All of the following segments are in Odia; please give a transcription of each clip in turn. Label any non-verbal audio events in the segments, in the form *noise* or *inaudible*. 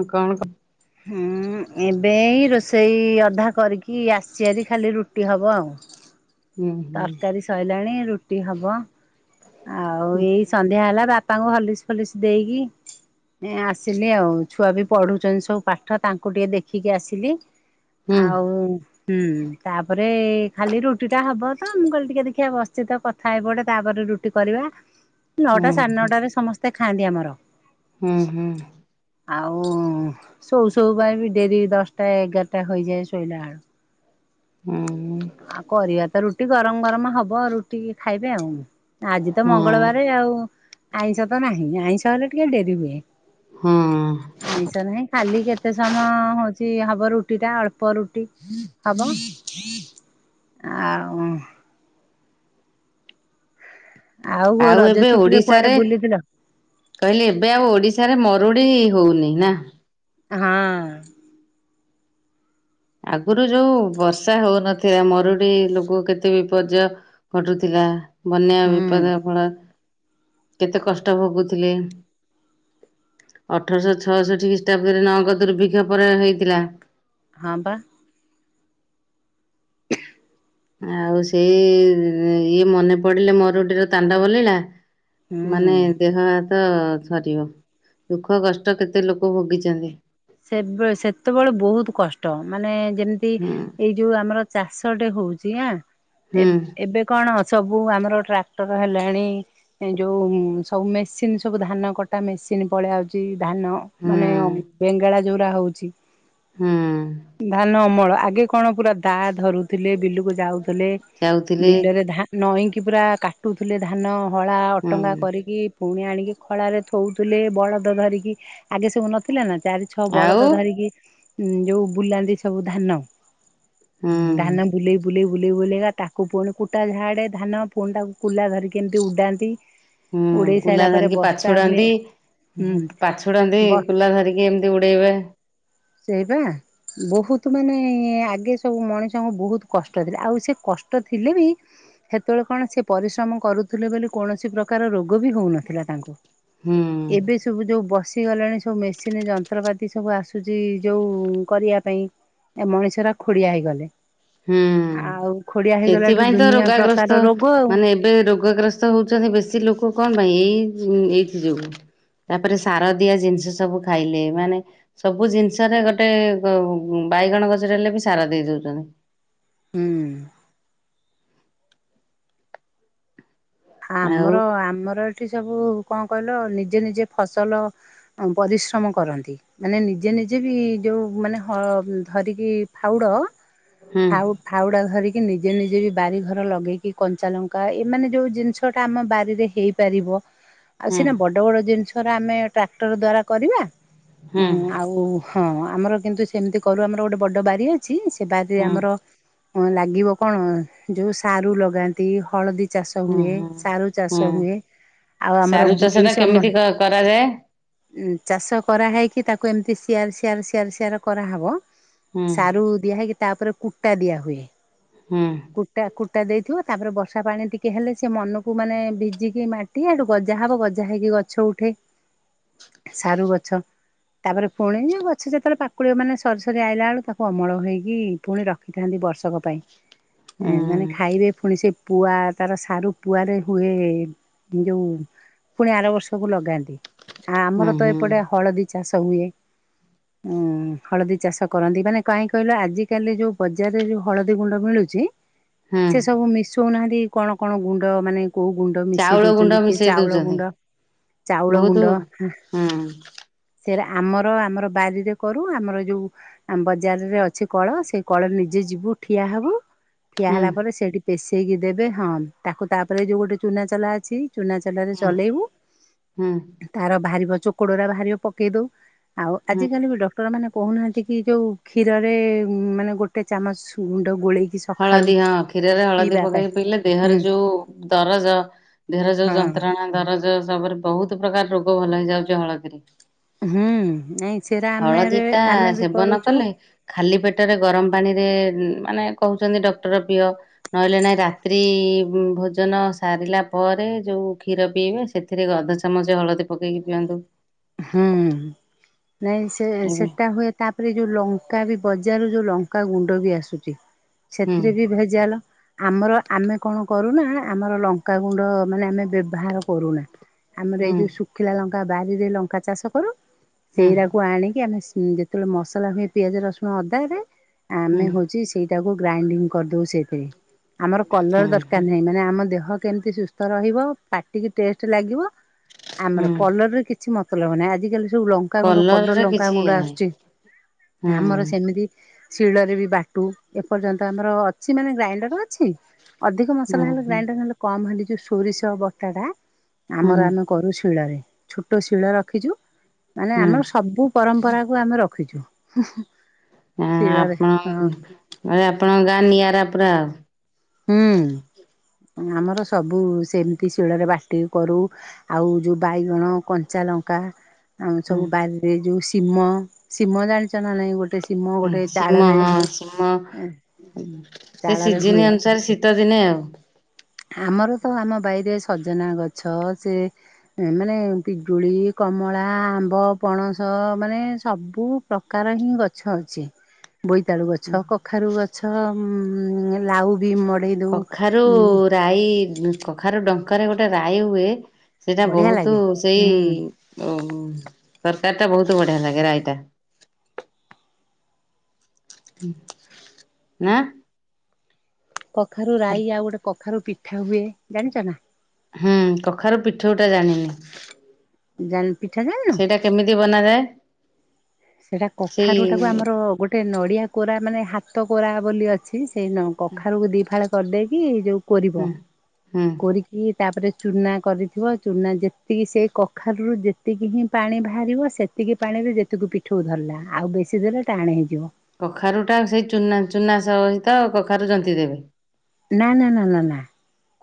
ହ କଣ କ? ହଁ ଏବେ ରୋଷେଇ ଅଧା କରିକି ଆସିବାରି ଖାଲି ରୁଟି ହବ ଆଉ ହୁଁ ହୁଁ ତରକାରୀ ସରିଲାଣି ରୁଟି ହବ। ଆଉ ଏଇ ସନ୍ଧ୍ୟା ହେଲା ବାପାଙ୍କୁ ହଲିସ ଫଲିସ ଦେଇକି ଏ ଆସିଲି ଆଉ ଛୁଆ ବି ପଢୁଛନ୍ତି ସବୁ ପାଠ ତାଙ୍କୁ ଟିକେ ଦେଖିକି ଆସିଲି। ହୁଁ ଆଉ ହୁଁ ତାପରେ ଖାଲି ରୁଟି ଟା ହବ ତ ମୁଁ କହିଲି ଟିକେ ଦେଖିବା ବସିଛି ତ କଥା ହେଇପଡେ ତାପରେ ରୁ କରିବା ହୁଁ ହୁଁ ନଅଟା ସାଢେ ନଅଟାରେ ସମସ୍ତେ ଖାଆନ୍ତି ଆମର। ହୁଁ ହୁଁ। ଆଉ ସୋ ସୋ ପାଇଁ ବି ଡେରି ଦଶଟା ଏଗାରଟା ହେଇଯାଏ ଶୋଇଲା ବଳୁ। ହଁ। ଆଉ କରିବା ତ ରୁଟି ଗରମ ଗରମ ହବ ରୁଟି ଖାଇବେ ଆଉ ଆଜି ତ ମଙ୍ଗଳବାର ଆଉ ଆଇଁଷ ତ ନାହିଁ ଆଇଁଷ ହେଲେ ଟିକେ ଡେରି ହୁଏ। ହୁଁ। ଆଇଷ ନାହିଁ ଖାଲି କେତେ ସମୟ ହଉଛି ହବ ରୁଟି ଟା ଅଳ୍ପ ରୁଟି। ର ହବା ଆଉ ଆଉ ରଜ ଏବେ ଛୁଟିରେ କୁଆଡେ ଓଡିଶାରେ ବୁଲିଥିଲ? କହିଲେ ଏବେ ଆଉ ଓଡ଼ିଶାରେ ମରୁଡ଼ି ହଉନି ନା ହଁ। ଆଗରୁ ଯୋଉ ବର୍ଷା ହଉନଥିଲା ମରୁଡି ଲୋକ କେତେ ବିପର୍ଯ୍ୟ ଘଟୁଥିଲା ବନ୍ୟା ହୁଁ ବିପଦ ଫଳ କେତେ କଷ୍ଟ ଭୋଗୁଥିଲେ। ଅଠରଶହ ଛଅଷଠି ଖ୍ରୀଷ୍ଟାବ୍ଦରେ ନଗ ଦୁର୍ଭିକ୍ଷା ପରେ ହୋଇଥିଲା। ହଁ ପା। ଆଉ ସେଇ ଇଏ ମନେ ପଡିଲେ ମରୁଟିର ତାଣ୍ଡବ ଲୀଳା ମାନେ ହୁଁ। ଦେହ ତ ଥରିବ ଦୁଃଖ କଷ୍ଟ କେତେ ଲୋକ ଭୋଗିଛନ୍ତି। ସେ ସେତେବେଳେ ବହୁତ କଷ୍ଟ ମାନେ ଯେମିତି ହୁଁ ଏଇ ଯୋଉ ଆମର ଚାଷଟେ ହଉଛି ଆଁ ହୁଁ ଏବେ ଏବେ କଣ ସବୁ ଆମର ଟ୍ରାକ୍ଟର ହେଲାଣି। ଏ ଯୋଉ ସବୁ ମେସିନ ସବୁ ଧାନ କଟା ମେସିନ ପଳଆାଉଛି। ଧାନ ହୁଁ ମାନେ ବେଙ୍ଗେଳା ଯୋଉଡା ହଉଛି। ହୁଁ। ଧାନ ଅମଳ ଆଗେ କଣ ପୁରା ଦା ଧରୁଥିଲେ ବିଲକୁ ଯାଉଥିଲେ। ଯାଉଥିଲେ ବିଲରେ ଧାନ ନଈକି ପୁରା କାଟୁଥିଲେ ଧାନ ହଳା ଅଟଙ୍ଗା ହୁଁ କରିକି ପୁଣି ଆଣିକି ଖଳାରେ ଥଉଥିଲେ ବଳଦ ଧରିକି ଆଗେ ସବୁ ନଥିଲେ ନା ଚାରି ଗଛ ଆଉ ବଳଦ ଧରିକି ଯୋଉ ବୁଲାନ୍ତି ସବୁ ଧାନ ହୁଁ ଧାନ ବୁଲେଇ ବୁଲେଇ ବୁଲେଇ ବୁଲେଇ ତାକୁ ପୁଣି କୁଟା ଝାଆଡ଼େ ଧାନ ପୁଣି ତାକୁ କୁଲା ଧରିକିମିତି ଉଡ଼ାନ୍ତି। ହୁଁ କୁଲା ଧରିକି ପାଛଡାନ୍ତି। ହୁଁ ପାଛଡାନ୍ତି ବ କୁଲା ଧରିକି ଏମିତି ଉଡେଇବେ। ସେଇ ବା ବହୁତ ମାନେ ଆଗେ ସବୁ ମଣିଷଙ୍କୁ ବହୁତ କଷ୍ଟ ଥିଲା ଆଉ ସେ କଷ୍ଟ ଥିଲେ ବି ସେତେବେଳେ କଣ ସେ ପରିଶ୍ରମ କରୁଥିଲେ ବୋଲି କୌଣସି ପ୍ରକାର ରୋଗ ବି ହଉନଥିଲା ତାଙ୍କୁ। ହୁଁ ହୁଁ। ଏବେ ସବୁ ଯୋଉ ବସିଗଲେଣି ସବୁ ମେସିନି ଜ ଯନ୍ତ୍ରପାତି ସବୁ ଆସୁଚି ଯୋଉ କରିଆ ପାଇଁ ଏ ମଣିଷ ଗୁରା ଖୋଡିଆ ହେଇଗଲେ। ହୁଁ ଆଉ ଖୋଡିଆ ହେଇଗଲା ଠୁ ସେଥିପାଇଁ ତ ଦୁନିଆ ରୋଗାଗ୍ରସ୍ତ ପ୍ରକାର ରୋଗ ଆଉ। ମାନେ ଏବେ ରୋଗଗ୍ରସ୍ତ ହଉଚନ୍ତି ବେଶୀ ଲୋକ କଣ ପାଇଁ? ଏଇ ଏଇଥି ଯୋଗୁ। ତାପରେ ସାର ଦିଆ ଜିନିଷ ସବୁ ଖାଇଲେ ମାନେ ସବୁ ଜିନିଷରେ ଗୋଟେ ବାଇଗଣ ଗଛରେ ହେଲେ ବି ସାର ଦେଇ ଦଉଚନ୍ତି। ହୁଁ। ଆଉ ଆମର ଆମର ଏଠି ସବୁ କଣ କହିଲ ନିଜେ ନିଜେ ଫସଲ ପରିଶ୍ରମ କରନ୍ତି। ମାନେ ନିଜେ ନିଜେ ବି ଯୋଉ ମାନେ ହ ଧରିକି ଫାଉଡ଼ ହୁଁ ଆଉ ଫାଉଡା ଧରିକି ନିଜେ ନିଜେ ବି ବାରି ଘର ଲଗେଇକି କଞ୍ଚା ଲଙ୍କା ଏମାନେ ଯୋଉ ଜିନ୍ ସ ଟା ଆମ ବାରିରେ ହେଇପରିବ। ଆଉ ହୁଁ ସିନା ବ ବଡ ବଡ ଜିନିଷରେ ଆମେ ଟ୍ରାକ୍ଟର ଦ୍ଵାରା କରିବା। ହୁଁ ଆଉ ଓ ହଁ, ଆମର କିନ୍ତୁ ସେମିତି କରୁ ଆମର ଗୋଟେ ବଡ ବାରି ଅଛି ସେ ବାରି ହୁଁ ଆମର ହଁ ଲାଗିବ କଣ? ଯୋଉ ସାରୁ ଲଗାନ୍ତି, ହଳଦୀ ଚାଷ ହୁଁ ହୁଏ। ହୁଁ। ସାରୁ ଚାଷ ହୁଁ ହୁଏ। ଆଉ ଆମର ସାରୁ ଚାଷ ଏଇ ଟା କେମିତି ସମୟରେ କ କରାଯାଏ? ଚାଷ କରାହେଇକି ତାକୁ ଏମିତି ସିଆର୍ ସିଆର୍ ସିଆର୍ ସିଆର୍ କରାହବ। ହୁଁ ସାରୁ ଦିଆ ହେଇକି ତାପରେ କୁଟା ଦିଆ ହୁଏ। ହୁଁ। କୁଟା କୁଟା ଦେଇଥିବ। ତାପରେ ବର୍ଷା ପାଣି ଟିକେ ହେଲେ ସେ ମନୁ କୁ ମାନେ ଭିଜିକି ମାଟି ଆଡୁ ଗଜା ହବ ଗଜା ହେଇକି ଗଛ ଉଠେ। ସାରୁ ଗଛ। ତାପରେ ପୁଣି ଗଛ ଯେତବଳେ ପାକୁଳିବ ମାନେ ସରି ସରି ଆଇଲା ବେଳୁକୁ ତାକୁ ଅମଳ ହେଇକି ପୁଣି ରଖ ରଖିଥାନ୍ତି ବର୍ଷକ ପାଇଁ। ଉଁ ମାନେ ଖାଇବେ ପୁଣି ସେ ପୁଆ ତାର ସାରୁ ପୁଆରେ ହୁଏ ଯଉ ପୁଣି ଆର ବର୍ଷକୁ ଲଗାନ୍ତି। ହୁଁ ଆମର ତ ହୁଁ ଏପଟେ ହଳଦୀ ଚାଷ ହୁଏ। ଉଁ, ହଳଦୀ ଚାଷ କରନ୍ତି। ମାନେ କାଇଁ କହିଲ ଆଜିକାଲି ଯୋଉ ବଜାରରେ ଯୋଉ ହଳଦୀ ଗୁଣ୍ଡ ମିଳୁଚି ହୁଁ। ସେ ସବୁ ମିଶଉନାହାନ୍ତି କଣ କଣ ଗୁଣ୍ଡ ମାନେ କୋଉ ଗୁଣ୍ଡ ମିଶେଇ ଚାଉଳ ଗୁଣ୍ଡ ଦଉଚନ୍ତି କି ମିଶେଇ ଚାଉଳ ଦଉଛନ୍ତି ଗୁଣ୍ଡ ଚାଉଳ ବହୁତ ଗୁଣ୍ଡ। ହୁଁ ସେଇରା ଆମର ଆମର ବାରିରେ କରୁ ଆମର ଯୋଉ ଆମ ବଜାରରେ ଅଛି କଳ ସେଇ କଳରେ ନିଜେ ଯିବୁ ଠିଆ ହବୁ ଠିଆ ହୁଁ ହେଲା ପରେ ସେଇଠି ପେଶେଇକି ଦେବେ ହଁ ତାକୁ ତାପରେ ଯୋଉ ଗୋଟେ ଚୁନାଚଲା ଅଛି ଚୁନାଚଲା ଚଲାରେ ହୁଁ ଚଲେଇବୁ ହୁଁ ତାର ବାହାରିବ ଚୋକଡ ଗୁରା ବାହାରିବ ପକେଇ ଦବୁ। ଆଉ ହୁଁ। ଆଜିକାଲି ବି ଡ ଆପଣ ମାନେ କହୁନାହାନ୍ତି କି ଯୋଉ କ୍ଷୀରରେ ମାନେ ଗୋଟେ ଚାମଚ ଗୁଣ୍ଡ ଗୋଳେଇକି ସକାଳୁ ହଳଦୀ ହଁ, କ୍ଷୀରରେ ହଳଦୀ ପିଇବା ପାଇଁ ପକେଇକି ପିଇଲେ ଦେହରେ ହୁଁ ଯୋଉ ଦରଜ ଦେହର ଯୋଉ ହଁ ଯନ୍ତ୍ରଣା ଦରଜ ସବୁରେ ବୋହୁତୁ ପ୍ରକାର ରୋଗ ଭଲ ହେଇଯାଉଚି ହଳଦୀରେ। ହୁଁ ନାଇଁ ସେରା ଆମେ ହଳଦୀ ଟା ଆମେ ବି ସେବନ କରୁଛୁ କଲେ ଖାଲି ପେଟରେ ଗରମ ପାଣିରେ ମାନେ କହୁଚନ୍ତି ଡକ୍ଟର ପିଅ। ନହେଲେ ନାଇଁ ରାତ୍ରି ଭୋଜନ ସାରିଲା ପରେ ଯୋଉ କ୍ଷୀର ପିଇବେ ସେଥିରେ ଅଧ ଚାମଚି ହଳଦୀ ପକେଇକି ପିଅନ୍ତୁ। ହୁଁ, ନାଇଁ ସେ ଏବେ ସେଟା ହୁଏ। ତାପରେ ଯୋଉ ଲଙ୍କା ବି ବଜାରରୁ ଯୋଉ ଲଙ୍କା ଗୁଣ୍ଡ ବି ଆସୁଚି। ହୁଁ ସେଥିରେ ବି ଭେଜାଲ। ଆମର ଆମେ କଣ କରୁନା ଆମର ଲଙ୍କାଗୁଣ୍ଡ ମାନେ ଆମେ ବ୍ୟବହାର କରୁନା। ଆମର ଏଇ ହୁଁ ଯଉ ଶୁଖିଲା ଲଙ୍କା ବାରିରେ ଲଙ୍କା ଚାଷ କରୁ ହୁଁ ସେଇଟାକୁ ଆଣିକି ଆମେ ସି ଯେତେବେଳେ ମସଲା ହୁଏ ପିଆଜ ରସୁଣ ଅଦାରେ ଆମେ ହୁଁ ହଉଚି ସେଇ ତାକୁ ଗ୍ରାଇଣ୍ଡିଙ୍ଗି କରିଦଉ ସେଇଥିରେ ଆମର କଲର ହୁଁ ଦରକାର ହୁଁ ନାହିଁ ନା ନା ଆମ ଦେହ କେମିତି ସୁସ୍ଥ ରହିବ ପାଟିକି ଟେଷ୍ଟ ଲାଗିବ ଆମର ହୁଁ କଲରରେ କି କିଛି ମତଲବ ନାଇଁ ଆଜିିକାଲି। ଯୋଉ ଲଙ୍କାଗୁଣ୍ଡ କଲର କଲରରେ କିଛି ଲଙ୍କାଗୁଣ୍ଡ ଇଏ ନାହିଁ ଆସୁଚି ହୁଁ ଆମର ସେମିତି ଶିଳରେ ବି ବାଟୁ ଏପର୍ଯ୍ୟନ୍ତ ଆମର ଅଛି ମାନେ ଗ୍ରାଇଣ୍ଡର ଅଛି। ଅଧିକ ମସଲା ହେଲେ ହୁଁ ଗ୍ରାଇଣ୍ଡର ନହେଲେ କମ ହେଲି ଯୋଉ ସୋରିଷ ବଟାଟା ହୁଁ ଆମର ଆମ କରୁ ଶିଳ ରେ ଛୋଟ ଶିଳ ରଖିଜୁ। ମାନେ ହୁଁ ଆମର ସବୁ ପରମ୍ପରାକୁ ଆମେ ରଖିଚୁ। ଏଁ ଆପଣ ମାନେ ଆପଣଙ୍କ ଗାଁ ନିଆରା ପୁରା ଆଉ। ହୁଁ ଆମର ସବୁ ସେମିତି ଶିଳରେ ବାଟିକି କରୁ। ଆଉ ଯୋଉ ବାଇଗଣ କଞ୍ଚା ଲଙ୍କା। ଆଉ ସବୁ ବାରିରେ ଯୋଉ ସିମ ସିମ ଜାଣିଚ ନା ନାଇଁ ଗୋଟେ ଶିମ ଗୋଟେ ସୀମ ଚାଳରେ ହଁ ସିମ ସେ ଚାଳରେ ହୁଏ ସିଜନି ଅନୁସାରେ ସି ତ ଦିନେ ଆଉ ଆମର ତ ଆମ ବାଇରେ ସଜନା ଗଛ ସେ ଏ ମାନେ ପିଜୁଳି କମଳା ଆମ୍ବ ପଣସ ମାନେ ସବୁ ପ୍ରକାର ହିଁ ଗଛ ଅଛି। ବୋଇତାଳୁ ଗଛ କଖାରୁ ଗଛ ଉଂ ଲାଉ ବି ମଡେଇ ଦଉ। କଖାରୁ ଉଁ ରାଈ କଖାରୁ ଡଙ୍କାରେ ଗୋଟେ ରାଇ ହୁଏ। ସେଇଟା ବଢିଆ ବହୁତ ଲାଗେ ସେଇ ହୁଁ ତରକାରି ଟା ବହୁତ ବଢିଆ ଲାଗେ ରାଇତା। ଆଁ କଖାରୁ ରାଇ ଆଉ ଗୋଟେ କଖାରୁ ପିଠା ହୁଏ ଜାଣିଚ ନା? ହୁଁ କଖାର ପିଠଉଟା ଜାଣିନି। ଯାନ୍ ପିଠା ଜଣନ୍ ସେଇଟା କେମିତି ବନାଯାଏ? ସେଟା ସେଇ କଖାରୁଟାକୁ ଆମର ଗୋଟେ ନଡ଼ିଆ କୋରା ମାନେ ହାତ କୋରା ବୋଲି ଅଛି ସେଇ ନ କଖାରୁକୁ ଦି ଫାଳେ କରିଦେଇକି ଯୋଉ କୋରିବ ହୁଁ ହୁଁ କୋରି କି ତାପରେ ଚୁନା କରିଥିବ ଚୁନା ଯେତିକି ସେଇ କଖାରୁରୁ ଯେତିକି ହିଁ ପାଣି ବାହାରିବ ସେ ସେତିକି ପାଣିରେ ଯେତିକୁ ପିଠଉ ଧରିଲା ଆଉ ବେଶୀ ଦେଲେ ଟାଣ ହେଇଯିବ। କଖାରୁଟା ସେଇ ଚୁନା ଚୁନା ସହିତ କଖାରୁ ଜନ୍ତି ଦେବେ। ନା ନା ନା ନା ନା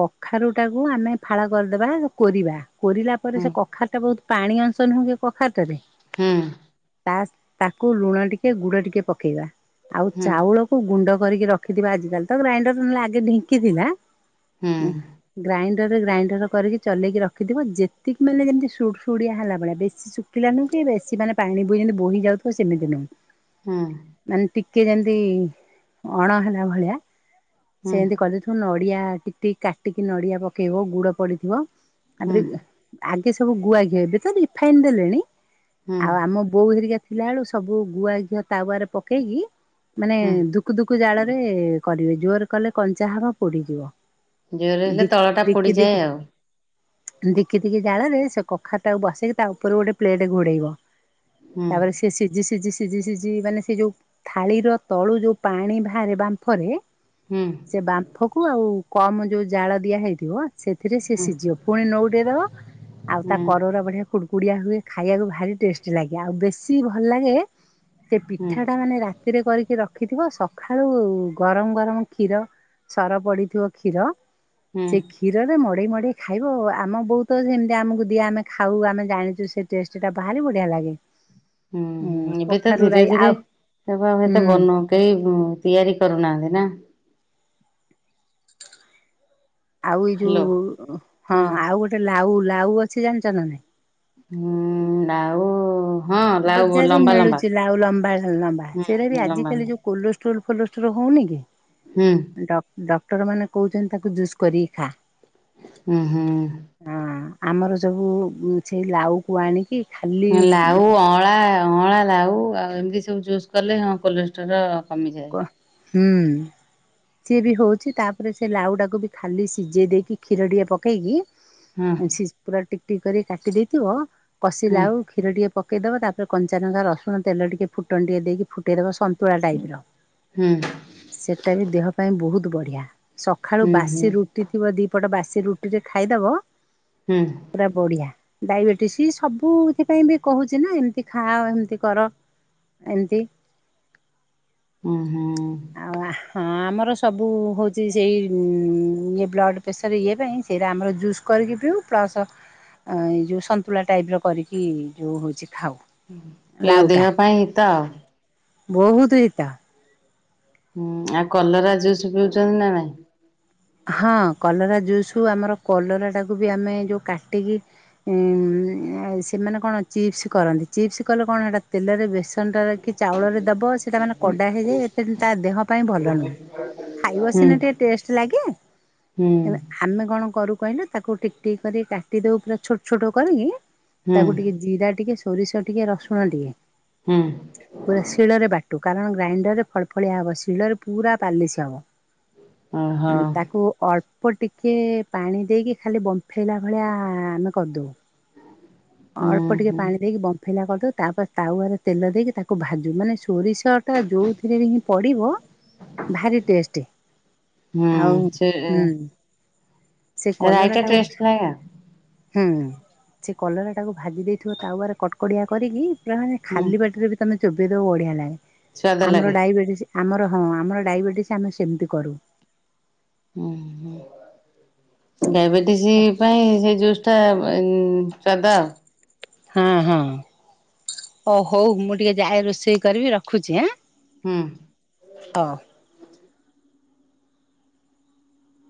କଖାରୁ ଟାକୁ ଆମେ ଫାଳ କରିଦବା କୋରିବା କୋରିଲା ତା ପରେ ହୁଁ ସେ କଖାରୁଟା ବହୁତ ପାଣି ଅଂସ ନୁହଁ କି କଖାର ଟାରେ ହୁଁ। ତା ତାକୁ ଲୁଣ ଟିକେ ଗୁଡ ଟିକେ ପକେଇବା ଆଉ ହୁଁ ଚାଉଳ ଗୁଣ୍ଡ କରିକି ରଖିଥିବା ଆଜିକାଲି ତ ଗ୍ରାଇଣ୍ଡର *unintelligible* ଆଗେ ଢିଙ୍କି ଥିଲା। ହୁଁ ଗ୍ରାଇଣ୍ଡର ରେ ଗ୍ରାଇଣ୍ଡର କରିକି ଚଲେଇକି ରଖିଦିବ ଯେତିକି ମାନେ ଯେମିତି ସୁଡୁ ସୁଡିଆ ହେଲା ଭଳିଆ ବେଶି ଶୁଖିଲାନୁ କି ବେଶୀ ମାନେ ପାଣି ବି ଯେମି ବୋହି ଯାଉଥିବ ସେମିତି ନୁଁଅ ହଁ। ମାନେ ଟିକେ ଯେମତି ଅଣ ହେଲା ଭଳିଆ। ସେ ହୁଁ ଏମିତି କରିଦେଇଥିବ ନଡିଆ ଟିକ୍ ଟି କାଟିକି ନଡିଆ ପକେଇବ ଗୁଡ ପଡିଥିବ। ହୁଁ ତାପରେ ଆଗେ ସବୁ ଗୁଆଘିଅ ଏବେ ତ ରିଫାଇନ ଦେଲେଣି ହୁଁ ଆଉ ଆମ ବୋଉ ହେରିକା ଥିଲା ବେଳୁ ସବୁ ଗୁଆ ଘିଅ ତାୱରେ ପକେଇକି ମାନେ ହୁଁ ଦୁ - - କୁ ଦୁକୁ ଜାଳ ରେ କରିବେ ଜୋର କଲେ କଞ୍ଚା ହାବ ପୋଡିଯିବ। ଜୋରରେ ହେଲେ ଦି ତଳ ଟା ଦିକି ପୋଡିଯାଏ ଦିକି। ଆଉ ଦେଖି ଦିକି ଜାଳରେ ସେ କଖାଟାକୁ ବସେଇକି ତା ଉପରୁ ଗୋଟେ ପ୍ଲେଟ୍ ଘୋଡ଼େଇବ। ହୁଁ ତାପରେ ସେ ସିଝି ସିଝି ସି ସିଝି ସିଝି ମାନେ ସେ ଯେଉଁ ଥାଳିର ତଳୁ ଯେଉଁ ପାଣି ବାହାରେ ବାମ୍ଫରେ ହୁଁ ସେ ବାମ୍ଫ କୁ ଆଉ କମ ଯୋଉ ଜାଳ ଦିଆ ହେଇଥିବ - - ସେଥିରେ ସେି ହୁଁ ସିଝିବ। ପୁଣି ନଉଟେ ଦବ ଆଉ ତା ହୁଁ କରରା ବଢିଆ - - କୁଡ଼କୁଡ଼ିଆ ହୁଏ। ଖାଇଆକୁ ଭାରି ଟେଷ୍ଟି ଲାଗେ, ଆଉ ବେଶୀ ଭଲ ଲାଗେ- - ସେ ହୁଁ ପିଠା ଟା ମାନେ ରାତିରେ କରିକି ରଖିଥିବ ସକାଳୁ ଗରମ ଗରମ - - କ୍ଷୀର, ସର ପଡିଥିବ କ୍ଷୀର ହୁଁ ସେ ଖି - - କ୍ଷୀରରେ ମଡ଼େଇ ମଡ଼େଇ ଖାଇବ ଆମ ବହୁତ ସେମିତି ଆମକୁ ଦିଏ ଆମେ ଖାଉ ଆମେ ଜାଣିଚୁ ସେ- - ଟେଷ୍ଟ ଟା ଭାରି ବଢିଆ ଲାଗେ। ଉଁ ହୁଁ ଏବେ ତ କଖାରୁ ଧୀରେ ରାଇ ଧୀରେ ଆଉ ସେବ ଆ ଏତେ ହୁଁ ବନଉ କେ ତିଆରି କରନାହାନ୍ତି ନା? ଆଉ ଏଇ ହ୍ୟାଲୋ ଯୋଉ ହଁ ହୁଁ ଆଉ ଗୋଟେ ଲାଉ ଲାଉ ଅଛି ଜାଣିଛ ନା ନାଇଁ? ହୁଁ ଲାଉ- - ବଜାରରେ ମିଳୁଛି ଆଉ ଲମ୍ବା ଲମ୍ବା ସେଇଟା ବି ହୁଁ ଲମ୍ବା ଆଜିିକାଲି ଯୋଉ କୋଲେଷ୍ଟ୍ରଲ ଫୋଲେଷ୍ଟ୍ରଲ ହେଉନି କି? ହୁଁ ଡକ ଡକ୍ଟର ମାନେ କହୁଛନ୍ତି ତାକୁ ଜୁସ୍ କରିକି ଖା। ହୁଁ ହଁ ଆମର ଯବୁ ସେଇ ଲାଉକୁ ଆଣିକି - - ଲାଉ ଅ ଅଁଳା ଅଁଳା ଲାଉ ଆଉ ଏମିତି ସବୁ ଜୁଜ୍ କଲେ ହଁ କୋଲେଷ୍ଟ୍ରୋର କମିଯାଏ। କୁହ ହୁଁ ସିଏ ବି ହଉଚି ତାପରେ ସେ ଲାଉଟାକୁ ବି ଖାଲି ସିଝେଇ ଦେଇକି କ୍ଷୀରଟିଏ ପକେଇକି - - ହଁ ସିସ ପୁରା ଟିକ ଟିକ କରି କି କାଟି ଦେଇଥିବ ହୁଁ କଷିଲାଉଁ - - କ୍ଷୀର ଟିକେ ପକେଇ ଦେବ ତାପରେ କଞ୍ଚାନଙ୍କା ରସୁଣ ତେଲ ଟିକେ ଫୁଟଣ ଟିକେ ଦେଇକି ଫୁଟାଇଦେବ ସନ୍ତୁଳା ଟାଇପିର। ହୁଁ। ସେଇଟା ବି ଦେହ ପାଇଁ ବହୁତ ବଢ଼ିଆ। ସକାଳୁ ହୁଁ ହୁଁ ବାସି ରୁ ଟି ଥିବ ଦିପଟ ବାସି ରୁଟିରେ ଖାଇଦବ- - ହୁଁ। ପୁରା ବଢିଆ। ଡାଇବେଟିସ ସବୁଥି ପାଇଁ ବି କହୁଚି ନା ଏମିତି ଖାଅ ଏମିତି କର। ଏମତି। ଅଁ ହଁ ଆଉ ଆ ହଁ ଆମର ସବୁ ହୋଉଚି ସେଇ ଉଁ ଉଁ ଇଏ ବ୍ଲଡ଼୍ ପ୍ରେସର ଇଏ ପାଇଁ ସେରା ଆମର ଜୁସ୍ କରିକି ପିଉ ପ୍ଲସ୍ ଏଯେଉଁ ସନ୍ତୁଳା ଟାଇପର କରିକି ଯୋଉଁ ହୋଉଚି କରିକି ଖାଉଁ। ପିଅ ଦେହ ପାଇଁ ହିତ। ବହୁତ ହିତ। ହୁଁ ଆଉ କଲରା ଜୁସ୍ ପିଉଚନ୍ତି ନା ନାଇଁ? ହଁ କଲରା ଜୁସୁ ଆମର କଲରା ଟାକୁ ବି ଆମେ ଯୋଉ କାଟିକି ଉଁ ଆଉ ସେମାନେ କଣ ଚିପ୍ସ କରନ୍ତି। ଚିପ୍ସ କଲେ କଣ ଏଟା ତେଲରେ ବେଶି ତିନିଟା ରଖି ଚାଉଳରେ ଦବ। ସେଇଟା ମାନେ କଡ଼ା ହେଇଯାଏ ଏତେ ତା ଦେହ ପାଇଁ ଭଲ ନୁହଁ। ଖାଇବା ହୁଁ ସିନା ଟିକେ ଟେଷ୍ଟ ଲାଗେ। ହୁଁ। ଆମେ କଣ କରୁ କହିଲ? ତାକୁ ଟିକ୍ ଟିକ୍ କରିିକି କାଟି ଦଉ ପୁରା ଛୋଟ ଛୋଟ କରିକି। ହୁଁ ତାକୁ ଟିକେ ଜିରା ଟିକେ ସୋରିଷ ଟିକେ ରସୁଣ ଟିକେ ହୁଁ। ପୁରା ଶିଳରେ ବାଟୁ। କାରଣ ଗ୍ରାଇଣ୍ଡରରେ ଫଳ ଫଳିଆ ହବ। ଶିଳରେ ପୁରା ପାଲିସ ହବ। ଓହୋ। ତାକୁ ଅଳ୍ପ ଟିକେ ପାଣି ଦେଇକି ଖାଲି ବମ୍ଫେଇଲା ଭଳିଆ ଆମେ କରିଦଉ। ହୁଁ ଅଳ୍ପ ଟିକେ ହୁଁ। ପାଣି ଦେଇକି ବ ବମ୍ଫେଇଲା କରିଦେଉ। ତା ପରେ ତାୱଆରେ ତେଲ ଦେଇକି ତାକୁ ଭାଜୁ ମାନେ ସୋରିଷଟା ଯେଉଁଥିରେ ହିଁ ପଡ଼ିବ ଭାରି ଟେଷ୍ଟ। ହୁଁ। ଆଉ ସେ ହୁଁ ସେ ରାଇଟା କଲରାଟାକୁ ଟେଷ୍ଟ ଲାଗେ ହୁଁ। ସେ କଲରାଟାକୁ ଭାଜି ଦେଇଥିବ ତାୱାରେ କଡକଡିଆ କରିକି। ପୁରା ମାନେ ହୁଁ ଖାଲି ପାଟିରେ ବି ତମେ ଚୋବେଇ ଦେବ ବଢ଼ିଆ ଲାଗେ। ସ୍ୱାଦ ଆମର ଲାଗେ। ଡାଇବେଟିସ୍ ଆମର ହଁ। ଆମର ଡାଇବେଟିସ୍ ଆମେ ସେମିତି କରୁ। ଉଁ ହୁଁ। ଡାଇବେଟିସ୍ ପାଇଁ ସେ ଜୁ୍ସଟା ସାଦା। ହଁ ହଁ। ଓ ହଉ। ମୁଁ ଟିକଏ ଯାଏ ରୋଷେଇ କରିବି ରଖୁଛି ଆଁ। ହୁଁ। ହ।